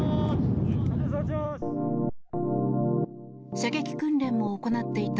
射撃訓練も行っていた